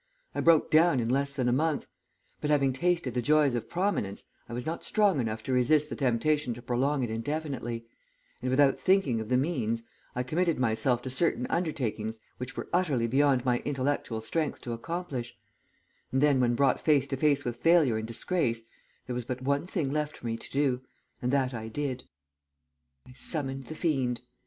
I broke down in less than a month; but having tasted the joys of prominence I was not strong enough to resist the temptation to prolong it indefinitely, and, without thinking of the means, I committed myself to certain undertakings which were utterly beyond my intellectual strength to accomplish, and then, when brought face to face with failure and disgrace, there was but one thing left for me to do, and that I did. "I summoned the fiend.